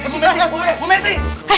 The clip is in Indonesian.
bu mes si bu mes si